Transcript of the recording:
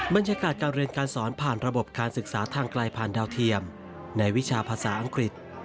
บรรยากาศการเรียนการสอนผ่านระบบการศึกษาทางไกลผ่านดาวเทียมในวิชาภาษาอังกฤษ